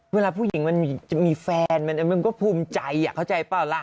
เวลาผู้หญิงมันจะมีแฟนมันก็ภูมิใจเข้าใจเปล่าล่ะ